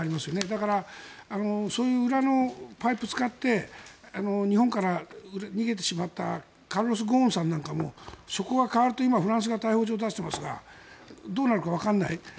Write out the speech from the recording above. だからそういう裏のパイプを使って日本から逃げてしまったカルロス・ゴーンさんなんかもそこが変わると今、フランスが逮捕状を出していますがどうなるかわからない。